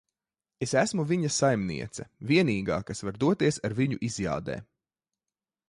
Es esmu viņa saimniece. Vienīgā, kas var doties ar viņu izjādē.